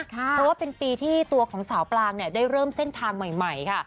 เพราะว่าเป็นปีที่ตัวของสาวปลางได้เริ่มเส้นทางใหม่ค่ะ